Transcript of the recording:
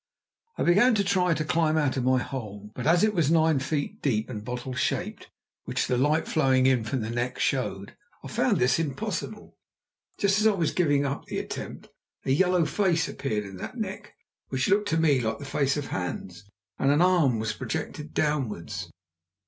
I began to try to climb out of my hole, but as it was nine feet deep and bottle shaped, which the light flowing in from the neck showed, I found this impossible. Just as I was giving up the attempt, a yellow face appeared in that neck, which looked to me like the face of Hans, and an arm was projected downwards.